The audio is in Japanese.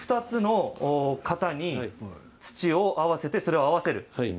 ２つの型に土を合わせてそれを合わせる。